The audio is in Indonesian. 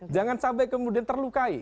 jangan sampai kemudian terlukai